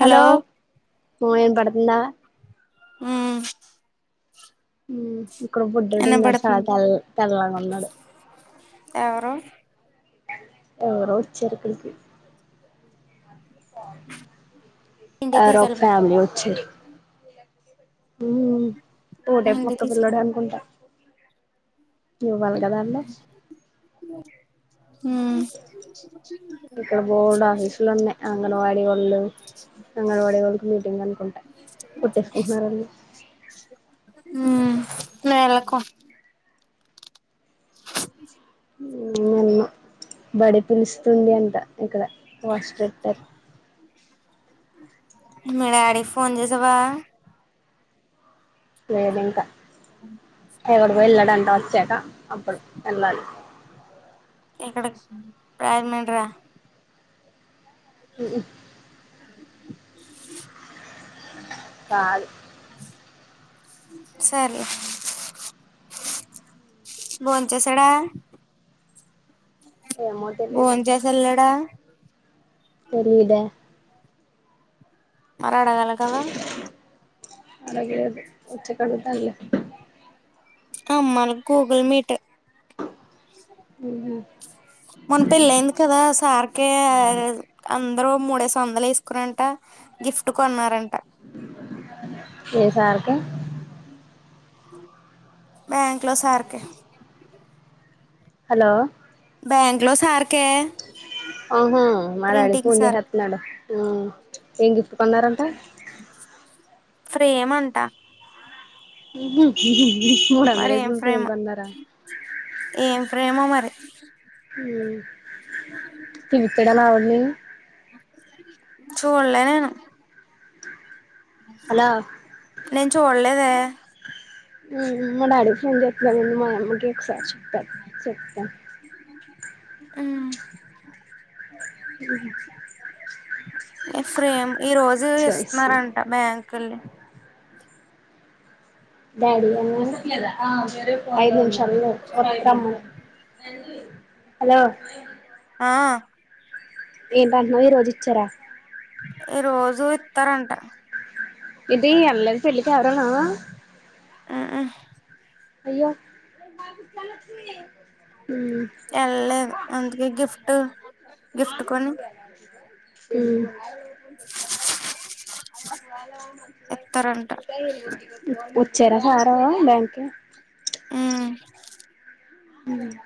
Hello పో ఇనపడుతుందా అహ్ ఉహ్ ఇక్కడ బుడ్డోడు ఉన్నాడు చాలా వినపడుతుంది తెల్ తెల్లాంగా ఉన్నాడు ఎవరు ఎవరో వచ్చారు ఇక్కడికి ఇంటికి ఎవరో ఒక తీసుకెళ్ళిపో ఫ్యామిలీ వచ్చారు. ఉహ్ హుహ్ తోటే ఇంటికి ఓక్క పిల్లడు తీసుకెళ్ అనుకుంటా నువ్ ఆల్గదా అండం హహ్ ఇక్కడ బోల్డ్ ఆఫీసులు ఉన్నాయి. అంగన్వాడీ వాళ్ళు అంగన్వాడీ వాళ్ళకి మీటింగ్ అనుకుంటా కుట్టేసుకున్నారళ్ళు. ఉహ్మ్ వెలకు ఇన్నే ఉన్న బడి పిలుస్తుంది అంట ఇక్కడ వాస్ట్రెటర్ మీ డాడి ఫోన్ చేసవా లేదు ఇంకా ఎక్కడికో వెళ్ళడంట వచ్చాక అప్పుడు ఏళ్లలి ఇక్కడకి ప్రజమండ్రా ఉహు కాళీ సరే బోన్ చేసడా ఏమో తెలియదు బోన్ చేసల్లేడా తెరిదే మారాడేల కదా అలాగే వచ్చక ఆడుతల్లే అమ్మా నీ గూగుల్ మీట్ ఉహ్ హు మోన్ పెళ్లెంది కదా సార్కీ అం అందరు మూడేసి వందలు వేసుకుని అంట గిఫ్ట్ కొన్నారంట. ఏసార్కి బ్యాంక్ లో సార్కి హలో బ్యాంక్లో సార్ ఆహా మరి ఆడు ప్రింటింగ్ ఫోన్ సార్ చేసేత్తన్నాడు. ఆ ఎందు కొన్నారంట. ఫ్రేమంట ఊహూ హూ హూ మరి ఏం మూడొందలేసి ఫ్రేం ఫ్రేమో కొన్నారా ఏం ఫ్రేమో మరి హ్మ్ పిలుత్తాడ లావణ్య ని చూళ్ళే నేను హలో నేను చూడలేద్ ఏ మా డాడికి ఫోన్ చేత్తన్నానండి మామమ్మీకీ ఒకసారి త చెత్త హ్మ్ హ్మ్ ఏ ఫ్రేమ్ ఈ రోజు చేసి ఇస్తున్నారంట బ్యాంకుల్ని డాడి ఆ.. ఐదు నిమిషా చమ్మ హలో ఆ ఏంటటన్నావు ఈ రోజు ఇచ్చారా రోజూ ఇత్తారంట. ఏటీ ఎళ్ళలేదా పెళ్లి కి ఎవరూను ఆ ఆ అయ్యో ఉమ్ ఎల్లలేదు అందుకే గిఫ్టు ఆ హ్మ్ ఇస్తారంట [unintelligible] చెరాఆరవా బ్యాంక్ కి ఊ ఉహ్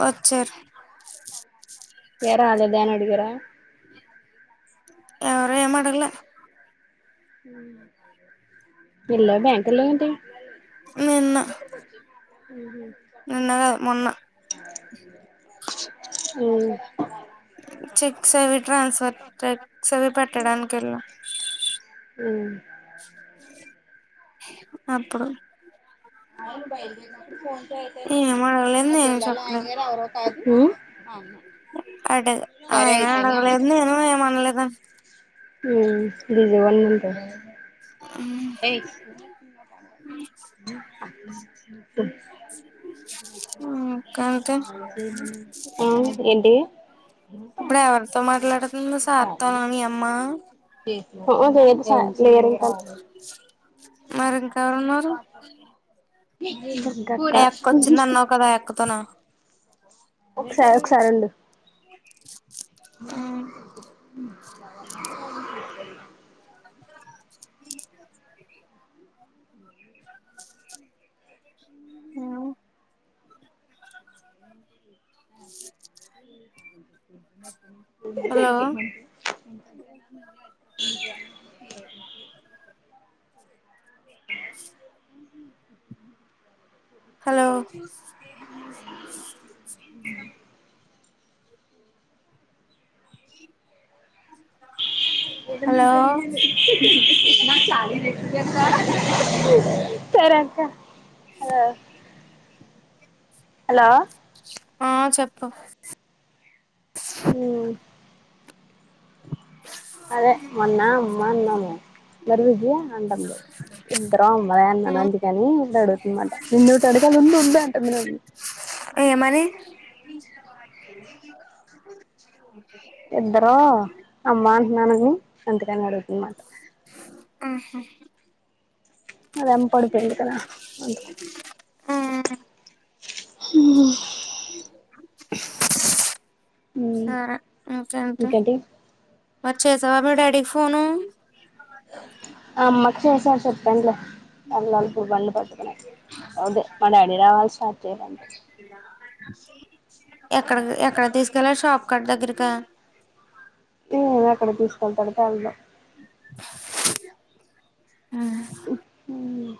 వచ్చర్ ఏర అదరు దాన అడికగిర ఆ ఏమడగలా ఇల్ల బ్యాంకల్లోంటే మీన్న ఉహ నిన్న మొన్న ఉ చెక్స్కు అవి ట్రాన్స్ఫర్ టెక్స్ అవి పెట్టడానికి కెల్ల ఉ అప్పుడు అవును బయటికి ఫోన్ అయితే ఏం అడగలేదు మ నేను చెల్లలో అయన అ అత్తు ఆ అడగా ఆయన అడగలేదు నేను ఏం అనలేదా ఉ బిజీగా వున్నింటదా ఏ ఎ ఇంకంతే ఏంటి ఇప్పుడు ఎవరితో మాట్లాడుతుంది సార్తోనా మీ అమ్మ పోసచ్చ క్లియర్గానే మరి ఇంకెవరున్నారు ఆ అక్క వచ్చింది అన్నావు కదా ఆ అక్కతోన ఒకసారి ఒకసారిడు ఆ అ మై హలో హలో హలో ఏదనుంటే అడిగెదె హు హు ఇ నా చాలెంజ్ తెల్సాగ అ సరే అక్క ఆ హలో ఆ చెప్పు ఉమ్ అదే మొన్న అమ్మన్నాము [unintelligible] అంటంది. ఇద్ [unintelligible] కాని డగుతుందంట నిన్నోటి అడగాలి ఉండు ఉండు అంటుంది నన్ని ఏమని ఇద్దరో అమ్మా అంటున్నానని అంతకని అడుగుతుందంట అద ఎమ్మ పడు పోయిందు కద అందుకు హ్మ్ హ్మ్ ఆఫ్ ఎంత మరి చేసావా మీ డాడీకి ఫోను అమ్మకి చేస చెప్పాన్లే వెళ్లాలి ఇప్పుడు బండి పట్టుకునే అదే మా డాడీ రావాలి స్టార్ట్ చేయాలంటె ఎక్కడ ఎక్కడ తీసుకెళ్ళాల షాప్కట్ దగ్గరకా హ్మ్ ఎక్కడికి తీసుకెళ్తాడో తెల్దు ఆ హు హ్మ్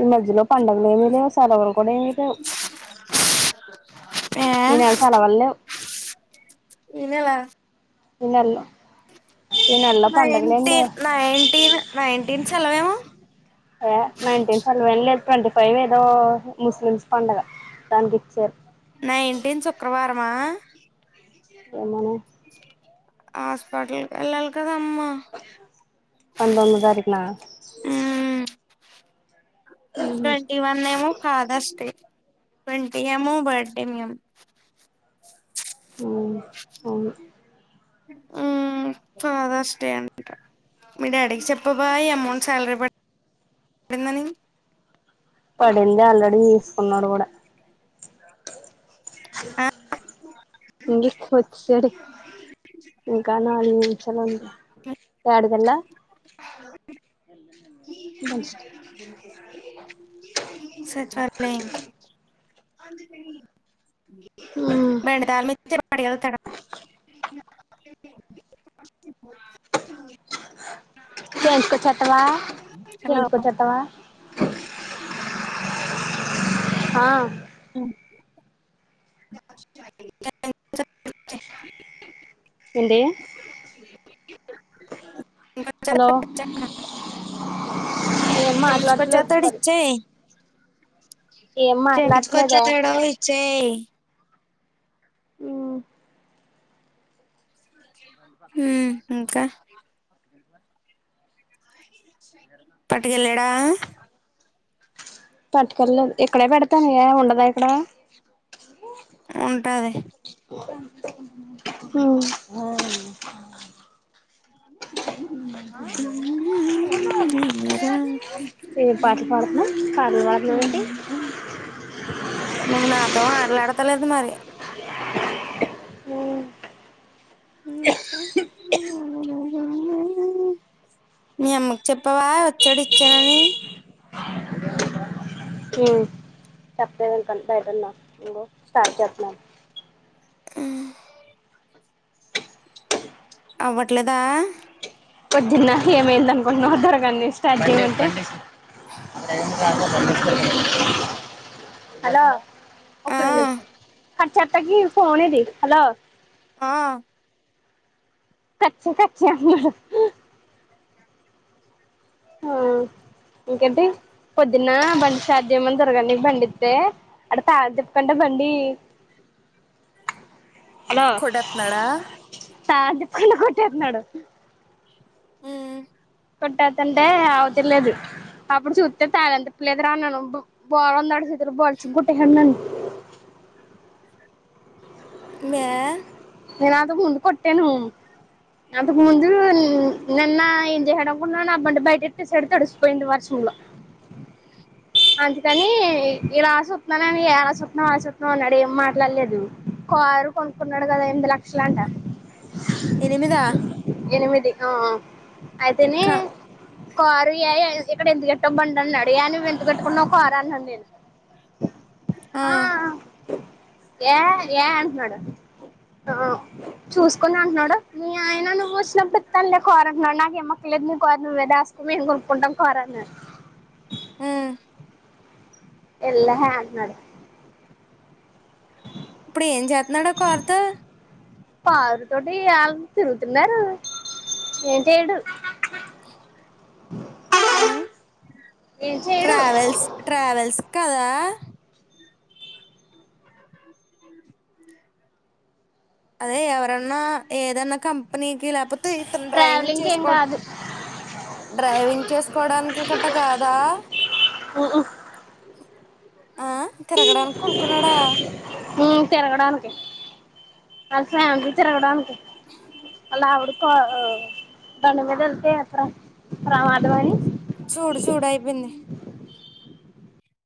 ఈ మధ్యలో పండుగలు ఏమి లేవు సెలవులు కూడా ఏమి లేవు. ఏ ఇ నెల సెలవల్లేవ్ ఈనెలా ఈనెల్లో నైన్టీన్ నైన్టీన్ నైన్టీన్ సెలవేమో ఏ నైన్టీన్ సెలవు ఏం లేదు ట్వంటీ ఫైవ్ ఏదో ముస్లిమ్స్ పండుగ దానికి ఇచ్చారు. నైన్టీన్ శుక్రవారమా ఎమోనె హాస్పిటల్ ఎల్లాలి కదా అమ్మా పంతొమ్దు తారీఖనా మ్మ్ ట్వంటీ వన్ ఏమొ ఫాథర్స్ డే ట్వంటీ ఏమొ బర్డే మమ్ అవును హ్మ్ ఫాదర్స్ డే అంట మీ డాడీకి చెప్పబా అమౌంట్ శాలరీ పడి పడిందని ంది ఆల్రెడీ తీసుకున్నాడు కూడా ఆ ఇంగే క్కు ఇచ్చేది ఇంకా నాది చ ఉంత ఎడదల సచివాలయంకి అది బండి తాళం మీ [unintelligible] చేయింకొచ్చేస్తవా? హలో చేయింకొచ్చేస్తవా? హా ఏంటీ? హలో! ఏం మాట్లాడట్లేదు చేయించుకొచ్చేస్తాడు. మరి ఇచ్చేయి ఏం మాట్లాడ్లేదా? చేయించుకొచ్చేస్తాడు [inaudible] హ్ [unintelligible] ఇంక పట్టుకెళ్ళాడా పట్టుకెళ్లలేదు ఇక్కడే పెడతాను యే ఉండదా ఇక్కడా ఉంటది. హ్ ఏ పాటలు పాడుతున్నావ్ పాటలు పాడుతున్నావ్ ఏంటి నువ్వు నాతో ఆటలాడ్తలేదు మరి అ మీ అమ్మకు చెప్పావా వచ్చాడు వచ్చాడని చెప్పలేదింక బయటున్న ఇగో స్టార్ట్ చేస్తున్నాను. హ్ అవ్వట్లేదా? పొద్దున్న ఏమయిందనుకుంటున్నవ్ దొరగాన్ని స్టార్ట్ చేయిమంటే ఒక్క రొండు ఆ నిమిషాలు చెత్తకి ఫోన్ ఏది? హలో ఆ కచ్చ కచ్చ ఆ ఇంకేంటి పొద్దున్న బండి స్టార్ట్ చేయమని దొరగానికి బండిస్తే [inaudible] బండి కొడత్నాడా? తాగి పలగొట్టేస్తున్నాడు. ఉమ్, కొట్టాతంటే అవతర్లేదు అప్పుడు చూస్తే తాళం తిప్పలేదు రా అన్నాను బో బోరందడు [unintelligible] బ్యా నేన్ అంతకు ముందు కొట్టాను అంతకు ముందూ నిన్నా ఏం చేసాడ్ అన్ న్నా నబంట బయట ఇటు సెడుతు అడుచ పోయింది వర్షంలో అందుకని ఇలా చూప్న్నానని ఏ రా సప్న్నాం అ చూప్న్నాం అన్నాడు ఏం మాట్లాడలేదు కారు కొనుక్కున్నాడు కదా ఎనిమిది ల లాంట ఎనిమిదా ఎనిమిది ఆ అయితేనే క కోరుయి ఇక్కడ ఎందు గట్ట బండి అడి అని తగట్టుకూన ఒక ఆరాలండి ఆ ఏ ఏ అంటున్నాడు ఆ చూసుకున్నా అంటున్నాడు నీ ఆయన నువ్వు వచ్చినప్పుడు తనలే కోరంటన్నాడు నాకేమ పక్కదుని కోరను దసుకు మేము కొనుక్కుంటాం కోరాను మ్ ఎల్ హే అంటున్నాడు ఇప్పుడు ఏం చేస్తున్నాడా కోరత పావురు తోటి వాళ్ళ తిరుగుతున్నారు ఏం చేయడు అ ఏం చేయడు ట్రావేల్స్ ట్రావెల్స్ కద ఆ అదే ఎవరన్నా ఏదన్నా కంపెనీకి లేపో ట్రావెలింగ్ ఏం కాదు డ్రైవింగ్ చేసుకోవడానికి గట కాదా ఉహు ఆ తిరగడానికికో అనుకున్నాడా ఉమ్ తిరగడానికి వాళ ఫ్యామిలీ తిరగడానికి అలా అవిడు కొ దణమదంత అత్ర ప్రమాధవణి చూడు చూడు అయిపోయింది